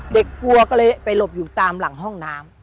กลัวก็เลยไปหลบอยู่ตามหลังห้องน้ำ